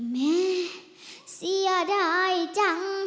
แม่เสียดายจัง